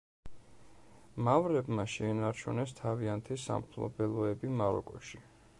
მავრებმა შეინარჩუნეს თავიანთი სამფლობელოები მაროკოში.